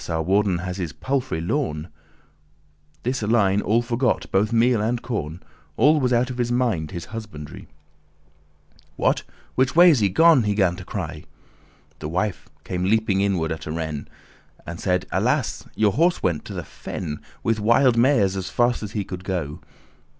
our warden has his palfrey lorn.*" *lost This Alein all forgot, both meal and corn; All was out of his mind his husbandry*. *careful watch over "What, which way is he gone?" he gan to cry. the corn* The wife came leaping inward at a renne*, *run She said; "Alas! your horse went to the fen With wilde mares, as fast as he could go.